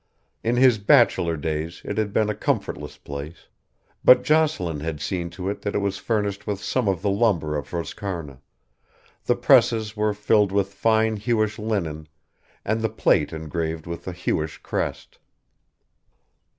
In his bachelor days it had been a comfortless place, but Jocelyn had seen to it that it was furnished with some of the lumber of Roscarna: the presses were filled with fine Hewish linen and the plate engraved with the Hewish crest.